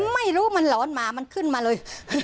ไม่รู้มันหลอนหมามันขึ้นมาเลย